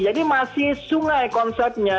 jadi masih sungai konsepnya